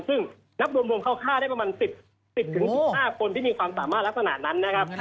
ซึ่งนับรวมเข้าฆ่าได้ประมาณ๑๐๑๕คนที่มีความสามารถลักษณะนั้นนะครับ